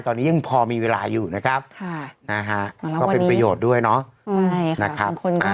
ตอนนี้ยังพอมีเวลาอยู่นะครับก็เป็นประโยชน์ด้วยเนาะ